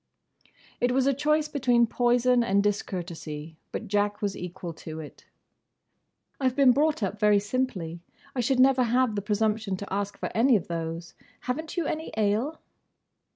It was a choice between poison and discourtesy, but Jack was equal to it. "I 've been brought up very simply. I should never have the presumption to ask for any of those. Have n't you any ale?"